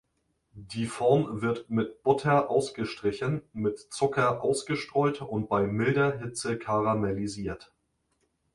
Die Form wird mit Butter ausgestrichen, mit Zucker ausgestreut und bei milder Hitze karamellisiert.